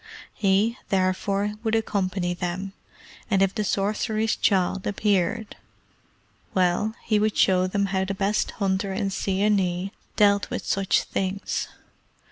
He, therefore, would accompany them, and if the sorcerer's child appeared well, he would show them how the best hunter in Seeonee dealt with such things.